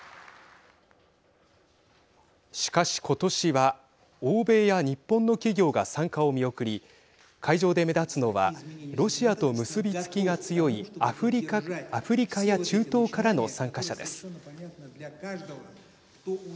しかし、ことしは欧米や日本の企業が参加を見送り会場で目立つのはロシアと結び付きが強いアフリカや中東からの参加者です。